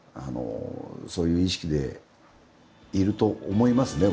そういう意識でいると思いますね